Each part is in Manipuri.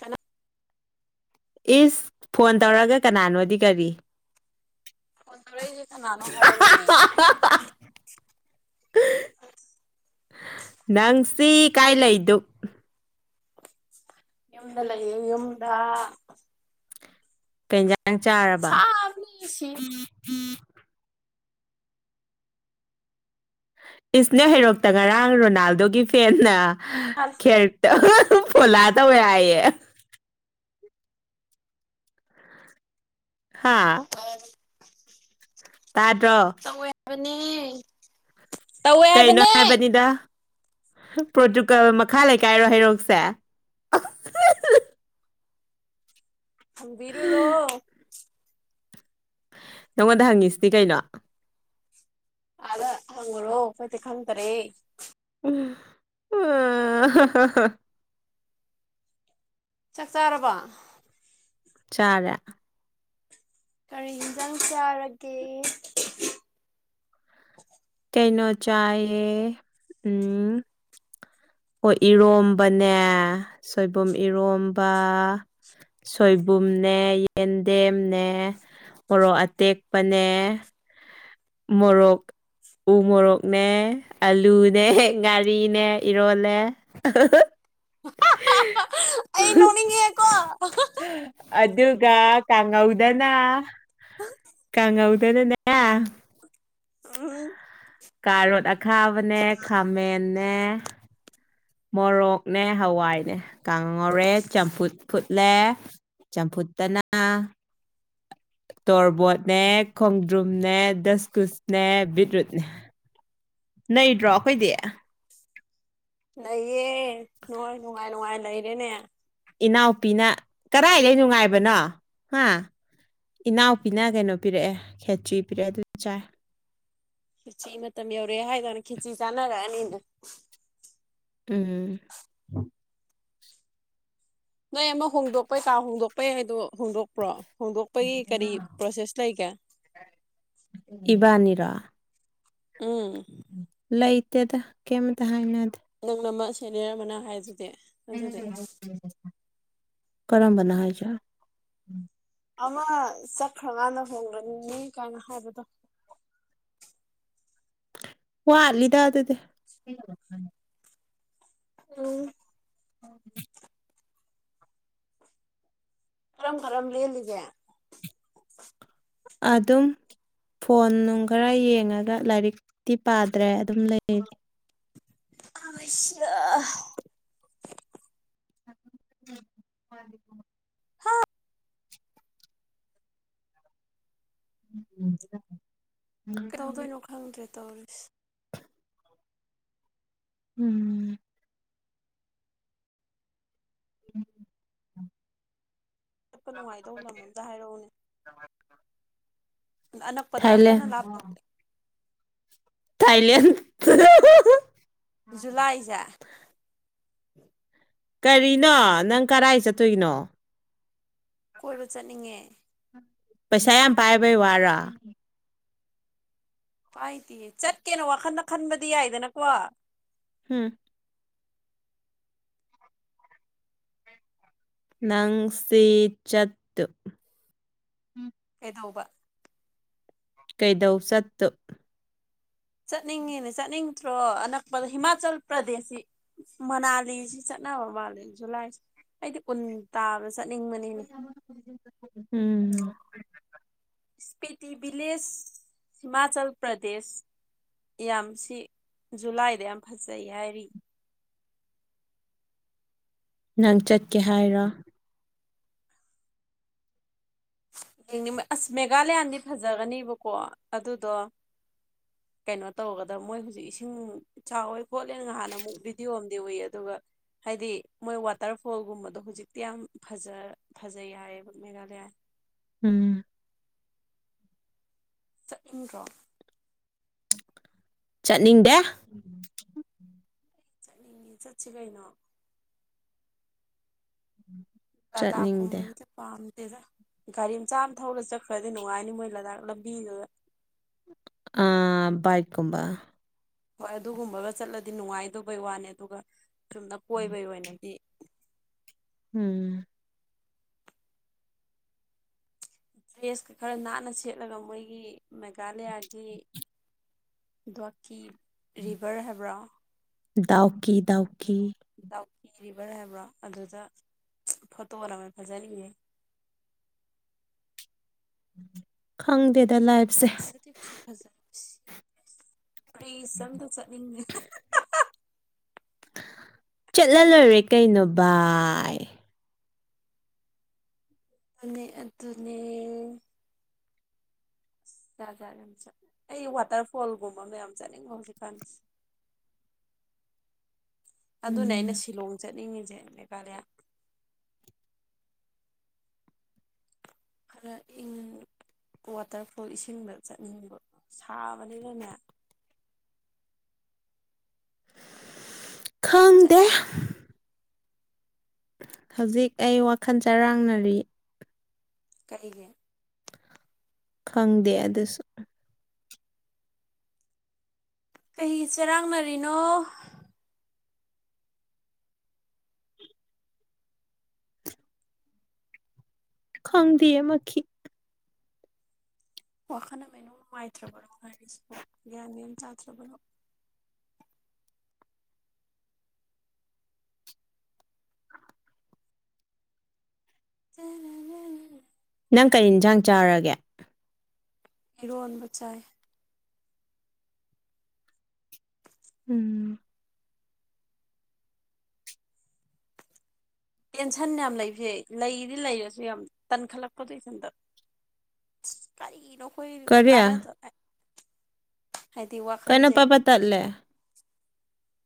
ꯀꯅꯥ ꯏꯁ ꯐꯣꯟ ꯇꯧꯔꯒ ꯀꯅꯥꯅꯣꯗꯤ ꯀꯔꯤ ꯇꯧꯔꯛꯏꯖꯦ ꯀꯅꯥꯅꯣ ꯍꯥꯏꯕꯅꯦ ꯅꯪ ꯁꯤ ꯀꯥꯏ ꯂꯩꯗꯨ ꯌꯨꯝꯗꯥ ꯂꯩꯌꯦ ꯌꯨꯝꯗꯥ ꯀꯩ ꯏꯟꯖꯥꯡ ꯆꯥꯔꯕ ꯁꯥꯕꯅ ꯁꯤ ꯏꯁ ꯅꯣꯏ ꯍꯩꯔꯣꯛꯇ ꯉꯔꯥꯡ ꯔꯣꯅꯥꯜꯗꯣꯒꯤ ꯐꯦꯟꯅ ꯈꯦꯔꯛꯇ ꯐꯣꯂꯥ ꯇꯧꯑꯦ ꯍꯥꯏꯌꯦ ꯍꯥꯥ [inaudible] ꯇꯥꯗ꯭ꯔꯣ ꯕꯅꯦ ꯇꯧꯋꯦ ꯍꯥꯏꯕꯅꯦ ꯄ꯭ꯔꯣꯇꯨꯒꯜ ꯃꯈꯥ ꯂꯩꯀꯥꯏꯔꯣ ꯍꯩꯔꯣꯛꯁꯦ ꯑꯍ ꯍ ꯍꯪꯕꯤꯔꯨꯔꯣ ꯅꯉꯣꯟꯗ ꯍꯪꯉꯤꯁꯤꯗꯤ ꯀꯩꯅꯣ ꯑꯥꯗ ꯍꯪꯉꯨꯔꯣ ꯈꯣꯏꯇꯤ ꯈꯪꯇꯔꯦ ꯑꯥ ꯍꯥ ꯍꯥ ꯆꯥꯛ ꯆꯥꯔꯕꯣ ꯆꯥꯔꯦ ꯀꯔꯤ ꯏꯟꯖꯥꯡ ꯆꯥꯔꯒꯦ ꯀꯩꯅꯣ ꯆꯥꯌꯦ ꯎꯝ ꯑꯣ ꯏꯔꯣꯝꯕꯅꯦ ꯁꯣꯏꯕꯨꯝ ꯏꯔꯣꯝꯕ ꯁꯣꯏꯕꯨꯝꯅꯦ ꯌꯦꯟꯗꯦꯝꯅꯦ ꯃꯣꯔꯣꯛ ꯑꯇꯦꯛꯄꯅꯦ ꯃꯣꯔꯣꯛ ꯎ ꯃꯣꯔꯣꯛꯅꯦ ꯑꯂꯨꯅꯦ ꯉꯥꯔꯤꯅꯦ ꯏꯔꯣꯜꯂꯦ ꯑꯍ ꯑꯩ ꯍ ꯅꯣꯛꯅꯤꯡꯉꯦꯀꯣ ꯑꯗꯨ ꯒ ꯀꯥꯡꯉꯧꯗꯅꯥ ꯀꯥꯡꯉꯧꯗꯅꯅꯦ ꯑꯥꯝ ꯀꯥꯔꯣꯠ ꯑꯈꯥꯕꯅꯦ ꯈꯥꯃꯦꯟꯅꯦ ꯃꯣꯔꯣꯛꯅꯦ ꯍꯋꯥꯏꯅꯦ ꯀꯥꯡꯉꯧ ꯉꯧꯔꯦ ꯆꯝꯐꯨꯠ ꯐꯨꯠ ꯂꯦ ꯆꯝꯐꯨꯠꯇꯅꯥ ꯇꯣꯔꯕꯣꯠꯅꯦ ꯈꯣꯡꯗ꯭ꯔꯨꯝꯅꯦ ꯗꯁꯀꯨꯁꯅꯦ ꯕꯤꯠꯔꯨꯠꯅꯦ ꯅꯩꯗ꯭ꯔꯣ ꯑꯈꯣꯏꯗꯤ ꯅꯩꯌꯦ ꯅꯣꯏ ꯅꯨꯡꯉꯥꯏ ꯅꯨꯡꯉꯥꯏ ꯂꯩꯔꯦꯅꯦ ꯏꯅꯥꯎꯄꯤꯅ ꯀꯔꯥꯏꯗꯩ ꯅꯨꯡꯉꯥꯏꯕꯅꯣ ꯍꯥ ꯏꯅꯥꯎꯄꯤꯅ ꯀꯩꯅꯣ ꯄꯤꯔꯛꯑꯦ ꯈꯦꯆ꯭ꯔꯤ ꯄꯤꯔꯛꯑꯦ ꯑꯗꯨ ꯆꯥꯏ ꯈꯦꯆꯤ ꯃꯇꯝ ꯌꯧꯔꯛꯑꯦ ꯍꯥꯏꯗꯅ ꯈꯦꯆꯤ ꯆꯥꯟꯅꯔꯛꯑꯅꯤꯕꯨ ꯎꯝ ꯅꯣꯏ ꯑꯃꯨꯛ ꯍꯣꯡꯗꯣꯛꯄꯩ ꯀꯥ ꯍꯣꯡꯗꯣꯛꯄꯩ ꯍꯥꯏꯗꯣ ꯍꯣꯡꯗꯣꯛꯄ꯭ꯔꯣ ꯍꯣꯡꯗꯣꯛꯄꯩ ꯀꯔꯤ ꯄ꯭ꯔꯣꯁꯦꯁ ꯂꯩꯒꯦ ꯏꯕꯥꯅꯤꯔꯣ ꯎꯝ ꯂꯩꯇꯦꯗꯥ ꯀꯩꯝꯇ ꯍꯥꯏꯅꯗꯦ ꯅꯧꯅ ꯃ ꯁꯦꯅꯤꯌꯥꯔ ꯑꯃꯅ ꯍꯥꯏꯖꯤ ꯀꯔꯝꯕꯅ ꯍꯥꯏꯒꯦ ꯑꯃ ꯆꯠꯈ꯭ꯔꯀꯥꯟꯗ ꯍꯣꯡꯒꯅꯤ ꯀꯥꯏꯅ ꯍꯥꯏꯕꯗꯣ ꯋꯥꯠ ꯂꯤꯗ ꯑꯗꯨꯗꯤ ꯎꯝ ꯑꯣ ꯀꯔꯝ ꯀꯔꯝ ꯂꯦꯜꯂꯤꯒꯦ ꯑꯗꯨꯝ ꯐꯣꯟ ꯅꯨꯡ ꯈꯔ ꯌꯦꯡꯉꯒ ꯂꯥꯏꯔꯤꯛꯇꯤ ꯄꯥꯗ꯭ꯔꯦ ꯑꯗꯨꯝ ꯂꯩꯔꯤ ꯑꯥꯁ ꯑ [inaudible] ꯍꯥꯥ ꯎꯝ [inaudible] ꯀꯩꯗꯧꯗꯣꯏꯅꯣ ꯈꯪꯗ꯭ꯔꯦ ꯇꯧꯔꯤꯁꯦ ꯎꯝ [inaudible] ꯆꯠꯄ ꯅꯨꯡꯉꯥꯏꯗꯧ ꯂꯝ ꯑꯝꯇ ꯍꯥꯏꯔꯛꯎꯅꯦ [inaudible] ꯑꯅꯛꯄꯗ ꯌꯥꯝ ꯊꯥꯏꯂꯦꯟ ꯀꯟꯅ ꯂꯥꯞꯇꯕꯤꯗ ꯊꯥꯏꯂꯦꯟ ꯖꯨꯜꯂꯥꯏꯁꯦ ꯀꯔꯤꯅꯣ ꯅꯪ ꯀꯔꯥꯏ ꯆꯠꯇꯣꯏꯅꯣ ꯀꯣꯏꯕ ꯆꯠꯅꯤꯡꯉꯦ ꯄꯩꯁꯥ ꯌꯥꯝ ꯄꯥꯏꯕꯩ ꯋꯥꯔꯣ ꯄꯥꯏꯗꯤꯌꯦ ꯆꯠꯀꯦꯅ ꯋꯥꯈꯜꯗ ꯈꯟꯕꯗꯤ ꯌꯥꯏꯗꯅꯀꯣ ꯍꯝ ꯅꯪꯁꯤ ꯆꯠ ꯀꯩꯗꯧꯕ ꯀꯩꯗꯧ ꯆꯠꯇꯧ ꯆꯠꯅꯤꯡꯉꯤꯅꯦ ꯆꯠꯅꯤꯡꯗ꯭ꯔꯣ ꯑꯅꯛꯄꯗ ꯍꯤꯃꯥꯆꯜ ꯄ꯭ꯔꯗꯦꯁꯁꯤ ꯃꯅꯥꯂꯤꯁꯤ ꯆꯠꯅꯕ ꯃꯥꯂꯤ ꯖꯨꯂꯥꯏꯁꯤ ꯑꯩꯗꯤ ꯎꯟ ꯇꯥꯕ ꯆꯠꯅꯤꯡꯕꯅꯤꯅꯦ ꯎꯝ ꯏꯁꯄꯦꯇꯤ ꯕꯤꯂꯦꯖ ꯍꯤꯃꯥꯆꯜ ꯄ꯭ꯔꯗꯦꯁ ꯌꯥꯝ ꯁꯤ ꯖꯨꯂꯥꯏꯗ ꯌꯥꯝ ꯐꯖꯩ ꯍꯥꯏꯔꯤ ꯅꯪ ꯆꯠꯀꯦ ꯍꯥꯏꯔꯣ ꯌꯦꯡꯅꯤꯡꯕ ꯑꯁ ꯃꯦꯒꯥꯥꯂꯌꯥꯗꯤ ꯐꯖꯒꯅꯦꯕꯀꯣ ꯑꯗꯨꯗꯣ [inaudible] ꯀꯩꯅꯣ ꯇꯧꯔꯒꯗꯕ ꯃꯣꯏ ꯍꯧꯖꯤꯛ ꯏꯁꯤꯡ ꯆꯥꯎꯋꯦ ꯈꯣꯠꯂꯦꯅ ꯉꯍꯥꯟ ꯑꯃꯨꯛ ꯚꯤꯗꯤꯑꯣ ꯑꯝ ꯎꯏ ꯑꯗꯨꯒ ꯍꯥꯏꯗꯤ ꯃꯣꯏ ꯋꯥꯇꯔꯐꯣꯜꯒꯨꯝꯕꯗꯣ ꯍꯧꯖꯤꯛꯇꯤ ꯌꯥꯝ ꯐꯖ ꯐꯖꯩ ꯍꯥꯌꯦꯕ ꯃꯦꯒꯥꯂꯌꯥ ꯎꯝ ꯆꯠꯅꯤꯡꯗ꯭ꯔꯣ ꯆꯠꯅꯤꯡꯗꯦ ꯆꯠꯅꯤꯡꯉꯤ ꯆꯠꯁꯤ ꯀꯩꯅꯣ ꯂꯗꯥꯒ ꯆꯠꯅꯤꯡꯗꯦ ꯀꯨꯝꯕꯅꯗꯤ ꯄꯥꯝꯃꯤ ꯈꯪꯗꯦꯗ ꯒꯥꯔꯤ ꯃꯆꯥ ꯑꯃ ꯊꯧꯔ ꯆꯠꯈ꯭ꯔꯗꯤ ꯅꯨꯡꯉꯥꯏꯅꯤ ꯃꯣꯏ ꯂꯗꯥꯛ ꯂꯝꯕꯤꯗꯨꯗ ꯑꯥ ꯕꯥꯏꯛ ꯀꯨꯝꯕ ꯍꯣꯏ ꯑꯗꯨꯒꯨꯝꯕꯒ ꯆꯠꯂꯗꯤ ꯅꯨꯡꯉꯥꯏꯗꯧꯕꯩ ꯋꯥꯅꯤ ꯑꯗꯨꯒ ꯆꯨꯝꯅ ꯀꯣꯏꯕꯒꯤ ꯑꯣꯏꯅꯗꯤ ꯎꯝ ꯗ꯭ꯔꯦꯁꯀ ꯈꯔ ꯅꯥꯟꯅ ꯁꯦꯠꯂꯒ ꯃꯣꯏꯒꯤ ꯃꯦꯘꯥꯂꯌꯥꯒꯤ ꯒꯣꯋꯇꯤ ꯔꯤꯕꯔ ꯍꯥꯏꯕ꯭ꯔꯣ ꯗꯥꯎꯀꯤ ꯗꯥꯎ ꯇꯧ ꯔꯤꯕꯔ ꯍꯥꯏꯕ꯭ꯔꯣ ꯑꯗꯨꯗ ꯐꯣꯇꯣꯒ ꯅꯝꯃꯗꯤ ꯐꯖꯅꯤꯌꯦ [inaudible] ꯈꯪꯗꯦ [unintelligible] ꯄꯔꯤꯁ ꯑꯝꯇ ꯆꯠꯅꯤꯡꯗꯦ ꯆꯠꯂꯂꯣꯏꯔꯦ ꯀꯩꯅꯣ ꯚꯏ ꯑꯗꯨꯅꯦ ꯑꯗꯨꯅꯦ ꯖꯥꯠ ꯖꯥꯠ ꯌꯥꯝ ꯆꯠꯂꯦ ꯑꯩ ꯋꯥꯇꯔꯐꯣꯜꯒꯨꯝꯕꯃ ꯌꯥꯝ ꯆꯠꯅꯤꯡꯕ ꯍꯧꯖꯤꯛꯀꯥꯟꯁꯦ [inaudible] ꯑꯗꯨꯅꯦ ꯑꯩꯅ ꯎꯝ ꯁꯤꯂꯣꯡ ꯆꯠꯅꯤꯡꯉꯤꯁꯦ ꯃꯦꯘꯂꯌꯥ ꯈꯥꯔ ꯏꯪ ꯋꯥꯇꯔꯐꯣꯜ ꯏꯁꯤꯡꯗ ꯆꯠꯅꯤꯡꯕ ꯁꯥꯕꯅꯤꯅꯅꯦ [inaudible] ꯈꯪꯗꯦ ꯆꯠꯅꯤꯡꯉꯤ ꯍꯧꯖꯤꯛ ꯑꯩ ꯋꯥꯈꯜ ꯆꯔꯥꯡꯅꯔꯤ ꯀꯔꯤꯒꯤ ꯈꯪꯗꯦ ꯑꯗꯨꯁꯨ ꯀꯩꯒꯤ ꯆꯔꯥꯡꯅꯔꯤꯅꯣ ꯈꯪꯗꯤꯌꯦ ꯃꯈꯤ ꯋꯥꯈꯜ ꯑꯃ ꯏꯅꯨꯡ ꯅꯨꯡꯉꯥꯏꯇ꯭ꯔꯕ꯭ꯔꯣ ꯍꯥꯏꯔꯤꯁꯤꯕꯨ ꯒ꯭ꯌꯥꯟ ꯌꯥꯝꯅ ꯑꯃ ꯇꯗ꯭ꯔꯕ꯭ꯔꯣ ꯅꯪ ꯀꯩ ꯏꯟꯁꯥꯡ ꯆꯥꯔꯒꯦ ꯏꯔꯣꯟꯕ ꯆꯥꯏ ꯎꯝ ꯇꯦꯟꯁꯟ ꯌꯥꯝ ꯂꯩꯕꯁꯦ ꯂꯩꯗꯤ ꯂꯩꯔꯁꯨ ꯌꯥꯝ ꯇꯟꯈꯠꯂꯛꯄꯗꯣ ꯏꯊꯟꯇ ꯀꯔꯤꯒꯤꯅꯣ ꯑꯈꯣꯏ ꯀꯔꯤ ꯀꯅꯗ ꯍꯥꯏꯗꯤ ꯀꯩꯅꯣ ꯋꯥꯈꯟꯁꯦ ꯄꯠ ꯄꯠ ꯇꯠꯂꯦ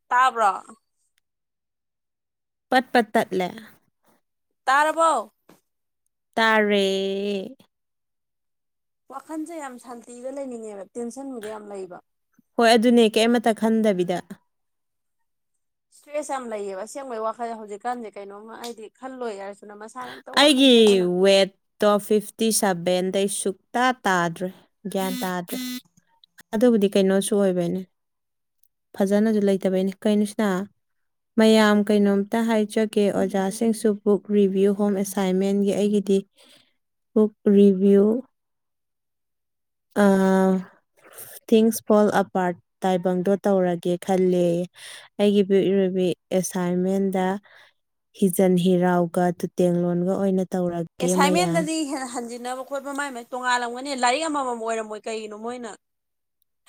ꯇꯕ꯭ꯔꯣ ꯄꯠ ꯄꯠ ꯇꯠꯂꯦ ꯇꯔꯥꯕꯣ ꯇꯥꯔꯦ ꯋꯥꯈꯟꯁꯦ ꯌꯥꯝ ꯁꯥꯟꯇꯤꯗ ꯂꯩꯅꯤꯡꯉꯦꯕ ꯇꯦꯟꯁꯟꯕꯨꯗꯤ ꯌꯥꯝ ꯂꯩꯕ ꯍꯣꯏ ꯑꯗꯨꯅꯦ ꯀꯩꯃꯇ ꯈꯟꯗꯕꯤꯗ ꯏꯁꯇ꯭ꯔꯦꯁ ꯌꯥꯝ ꯂꯩꯌꯦꯕ ꯑꯁꯦꯡꯕꯒꯤ ꯋꯥꯈꯜꯁ ꯍꯧꯖꯤꯛꯀꯥꯟꯁꯦ ꯀꯩꯅꯣꯝꯃ ꯍꯥꯏꯗꯤ ꯈꯜꯂꯣꯏ ꯍꯥꯏꯔꯁꯨ ꯑꯩꯒꯤ ꯋꯦꯠꯇꯣ ꯐꯤꯐꯇꯤ ꯁꯚꯦꯟ ꯑꯗꯩ ꯁꯨꯛꯇ ꯇꯥꯗ꯭ꯔꯦ ꯒ꯭ꯌꯥꯟ ꯇꯥꯗ꯭ꯔꯦ ꯑꯗꯨꯕꯨꯗꯤ ꯀꯩꯅꯣꯁꯨ ꯑꯣꯏꯕꯩꯅꯦ ꯐꯖꯅꯁꯨ ꯂꯩꯇꯕꯩꯅꯦ ꯀꯩꯅꯣꯁꯤꯅ ꯃꯌꯥꯝ ꯀꯩꯅꯣꯝꯇ ꯍꯥꯏꯖꯒꯦ ꯑꯣꯖꯥꯁꯤꯡꯁꯨ ꯕꯨꯛ ꯔꯤꯚꯤꯌꯨ ꯍꯣꯝ ꯑꯦꯁꯥꯏꯟꯃꯦꯟꯒꯤ ꯑꯩꯒꯤꯗꯤ ꯕꯨꯛ ꯔꯤꯚꯤꯌꯨ ꯑꯥ ꯊꯤꯡꯁ ꯐꯣꯜ ꯑꯄꯥꯔꯠ ꯇꯥꯏꯕꯪꯗꯣ ꯇꯧꯔꯒꯦ ꯈꯜꯂꯦ ꯑꯩꯒꯤꯕꯨꯛꯔꯤꯕꯤ ꯑꯦꯁꯥꯏꯟꯃꯦꯟꯗ ꯍꯤꯖꯟ ꯍꯤꯔꯥꯎꯒ ꯇꯨꯇꯦꯡꯂꯣꯟꯒ ꯑꯣꯏꯅ ꯇꯧꯔꯒꯦ ꯃꯌꯥꯝ ꯑꯦꯁꯥꯏꯟꯃꯦꯟꯗꯗꯤ ꯍꯦꯅꯍꯟ ꯈꯣꯠꯄ ꯃꯥꯏ ꯃꯥꯏ ꯇꯣꯉꯥꯜꯂꯝꯒꯅꯤ ꯂꯥꯏꯔꯤꯛ ꯑꯃꯃꯝ ꯑꯣꯏꯔꯝꯃꯣꯏ ꯀꯩꯒꯤꯅꯣ ꯃꯣꯏꯅ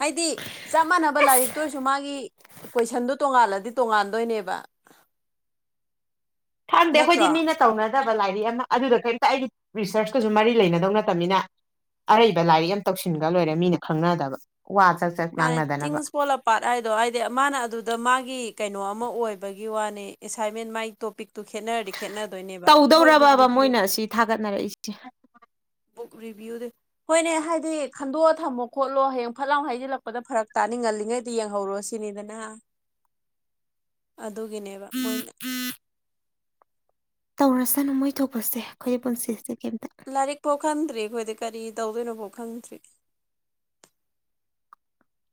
ꯍꯥꯏꯗꯤ ꯆꯞ ꯃꯥꯟꯅꯕ ꯂꯥꯏꯔꯤꯛꯇ ꯑꯣꯏꯔꯁꯨ ꯃꯥꯒꯤ ꯀꯣꯏꯁꯟꯗꯨ ꯇꯣꯉꯥꯜꯂꯗꯤ ꯇꯣꯡꯉꯥꯟꯗꯣꯏꯅꯦꯕ ꯈꯪꯗꯦ ꯑꯈꯣꯏꯗꯤ ꯃꯤꯅ ꯇꯧꯅꯗꯦ ꯂꯥꯏꯔꯤꯛ ꯑꯃ ꯑꯗꯨꯗ ꯀꯔꯤꯝꯇ ꯑꯩꯒꯤ ꯔꯤꯁꯔꯁꯀꯁꯨ ꯃꯔꯤ ꯂꯩꯅꯗꯧ ꯅꯠꯇꯕꯅꯤꯅ ꯑꯔꯩꯕ ꯂꯥꯏꯔꯤꯛ ꯑꯃ ꯇꯧꯁꯤꯟꯒ꯭ꯔ ꯂꯣꯏꯔꯦ ꯃꯤꯅ ꯈꯪꯅꯗꯕ ꯋꯥ ꯆꯥꯛ ꯆꯥꯛ ꯃꯥꯅꯦ ꯉꯥꯡꯅꯗꯅꯕ ꯊꯤꯡꯁ ꯐꯣꯜ ꯑꯄꯥꯠ ꯍꯥꯏꯗꯣ ꯍꯥꯏꯗꯤ ꯃꯥꯅ ꯑꯗꯨꯗ ꯃꯥꯒꯤ ꯀꯩꯅꯣ ꯃ ꯑꯣꯏꯕꯒꯤ ꯋꯥꯅꯤ ꯑꯦꯁꯥꯏꯟꯃꯦꯟ ꯃꯥꯏ ꯇꯣꯄꯤꯛ ꯇꯧꯗꯧꯔꯕꯕ ꯔꯤꯚꯤꯌꯨ ꯃꯣꯏꯅ ꯑꯁꯤ ꯊꯥꯒꯠꯅꯔꯛꯏꯁꯦ ꯕꯨꯛ ꯔꯤꯚꯤꯌꯨꯗꯤ ꯍꯣꯏꯅꯦ ꯍꯥꯏꯗꯤ ꯈꯟꯗꯣꯛꯑ ꯊꯝꯃꯣ ꯈꯣꯠꯂꯣ ꯍꯌꯦꯡ ꯐꯠ ꯂꯥꯎ ꯍꯩꯖꯤꯜꯂꯛꯄꯗ ꯐꯔꯛ ꯇꯥꯅꯤ ꯉꯜ ꯂꯤꯉꯩꯗ ꯌꯦꯡꯍꯧꯔꯣ ꯁꯤꯅꯤꯗꯅꯥ [inaudible] ꯗꯨꯒꯤꯅꯦꯕ ꯃꯣꯏꯅ ꯇꯧꯔꯁꯅꯨ ꯃꯣꯏ ꯊꯣꯛꯄꯁꯦ ꯑꯈꯣꯏꯒꯤ ꯄꯨꯟꯁꯤꯁꯦ ꯀꯩꯝꯇ ꯂꯥꯏꯔꯤꯛ ꯄꯣꯛ ꯈꯟꯗ꯭ꯔꯤ ꯑꯈꯣꯏꯗꯤ ꯀꯔꯤ ꯇꯧꯗꯣꯏꯅꯣꯕꯣ ꯈꯪꯗ꯭ꯔꯤ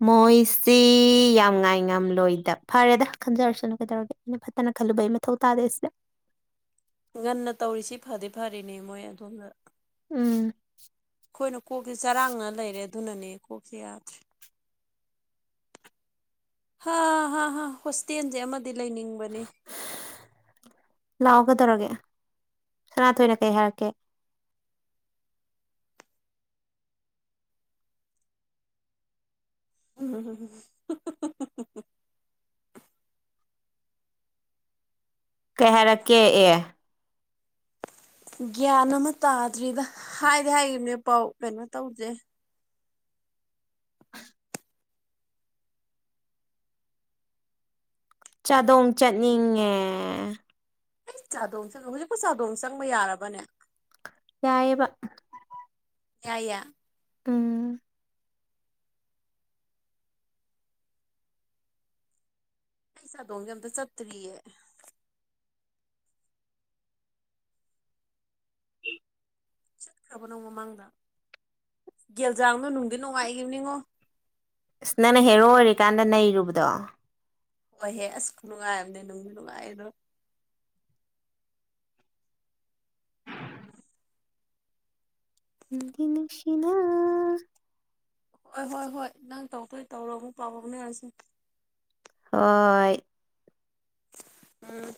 ꯃꯣꯏꯁꯤ ꯌꯥꯝ ꯉꯥꯏ ꯉꯝꯂꯣꯏꯗ ꯐꯔꯦꯗ ꯈꯟꯖꯔꯁꯅꯨ ꯀꯩꯗꯧꯔꯒꯦ ꯐꯠꯇꯅ ꯈꯜꯂꯨꯕꯩ ꯃꯊꯧ ꯇꯥꯗꯦ ꯁꯤꯗ ꯉꯟꯅ ꯇꯧꯔꯤꯁꯤ ꯐꯗꯤ ꯐꯔꯤꯅꯦ ꯃꯣꯏ ꯑꯗꯣꯝꯗ ꯎꯝ ꯑꯈꯣꯏꯅ ꯀꯣꯛꯁꯦ ꯆꯔꯥꯡꯅ ꯂꯩꯔꯦ ꯑꯗꯨꯅꯅꯦ ꯀꯣꯛꯁꯦ ꯌꯥꯗ꯭ꯔꯦ ꯍꯥ ꯍꯥ ꯍꯥ ꯍꯣꯁꯇꯦꯟꯖꯦ ꯑꯃ ꯗꯤ ꯂꯩꯅꯤꯡꯕꯅꯤ ꯂꯥꯛꯑꯣ ꯀꯩꯗꯧꯔꯒꯦ ꯁꯅꯥꯊꯣꯏꯅ ꯀꯩ ꯍꯥꯏꯔꯛꯀꯦ ꯎꯝ ꯀꯩ ꯍꯥꯏꯔꯛꯀꯦ ꯑꯦ ꯒ꯭ꯌꯥꯟ ꯑꯃ ꯇꯥꯗ꯭ꯔꯤꯗ ꯍꯥꯏꯗꯤ ꯍꯥꯏꯒꯤꯕꯅꯦ ꯄꯥꯎ ꯀꯩꯅꯣ ꯇꯧꯗꯦ ꯆꯥꯗꯣꯡ ꯆꯠꯅꯤꯡꯉꯦ ꯆꯥꯗꯣꯡ ꯆꯠꯂꯨ ꯍꯧꯖꯤꯛꯄꯨ ꯆꯥꯗꯣꯡ ꯆꯪꯕ ꯌꯥꯔꯕꯅꯦ ꯌꯥꯏꯌꯦꯕ ꯌꯥꯏꯌꯦ ꯎꯝ ꯑꯩ ꯆꯥꯗꯣꯡꯖꯦ ꯑꯝꯇ ꯆꯠꯇ꯭ꯔꯤꯌꯦ ꯆꯠꯈ꯭ꯔꯕꯣ ꯅꯪ ꯃꯃꯥꯡꯗ ꯒꯦꯜꯖꯥꯡꯗꯣ ꯅꯨꯡꯗꯤ ꯅꯨꯡꯉꯥꯏꯒꯤꯕꯅꯤꯉꯣ ꯑꯁ ꯅꯪꯅ ꯍꯦꯔꯣ ꯑꯣꯏꯔꯤꯀꯥꯟꯗ ꯅꯩꯔꯨꯕꯗꯣ ꯍꯣꯏꯍꯦ ꯑꯁ ꯈꯨꯅꯨꯡꯉꯥꯏ ꯑꯝꯅꯤ ꯅꯨꯡꯖꯨ ꯅꯨꯡꯉꯥꯏꯕꯗꯣ ꯅꯨꯡꯗꯤ ꯅꯨꯡꯁꯤꯅ ꯍꯣꯏ ꯍꯣꯏ ꯍꯣꯏ ꯅꯪ ꯇꯧꯗꯣꯏ ꯇꯧꯔꯣ ꯑꯃꯨꯛ ꯄꯥꯎ ꯐꯥꯎꯅꯔꯁꯦ ꯍꯣꯏ ꯎꯝ